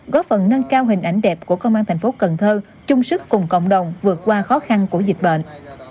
góp phần nâng cao hình ảnh đẹp của công an thành phố cần thơ chung sức cùng cộng đồng vượt qua khó khăn của dịch bệnh